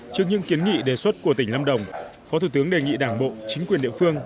trước những kiến nghị đề xuất của tỉnh lâm đồng phó thủ tướng đề nghị đảng bộ chính quyền địa phương